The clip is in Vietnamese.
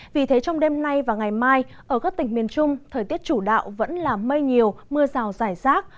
vì thế trong đêm nay và ngày mai ở các tỉnh miền trung thời tiết chủ đạo vẫn là mây nhiều mưa rào rải rác